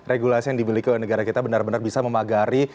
regulasi yang dimiliki oleh negara kita benar benar bisa memagari